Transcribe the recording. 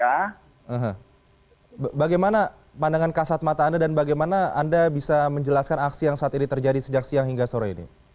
hm bagaimana pandangan kasat mata anda dan bagaimana anda bisa menjelaskan aksi yang saat ini terjadi sejak siang hingga sore ini